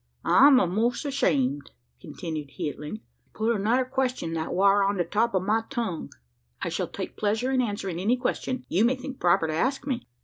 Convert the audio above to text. "I'm a'most ashamed," continued he, at length, "to put another question, that war on the top o' my tongue." "I shall take pleasure in answering any question you may think proper to ask me."